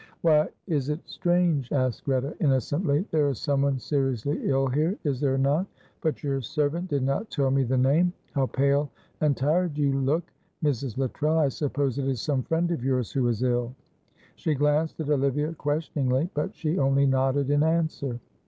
"Why is it strange?" asked Greta, innocently. "There is someone seriously ill here, is there not? But your servant did not tell me the name. How pale and tired you look, Mrs. Luttrell! I suppose it is some friend of yours who is ill?" She glanced at Olivia questioningly, but she only nodded in answer.